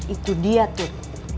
itu dia tuh